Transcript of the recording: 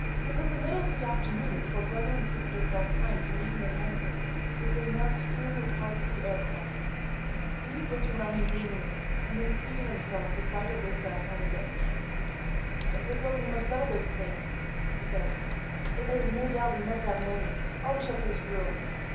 It was the middle of the afternoon before brother and sister found time to meet in the hangar, which was now strewn with parts of the aircraft. Steve looked around him gloomily and then seated himself beside Orissa upon a bench. "I suppose we must settle this thing," he said; "and there's no doubt we must have money, or we shall face ruin.